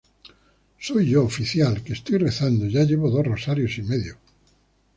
soy yo, oficial, que estoy rezando. ya llevo dos rosarios y medio.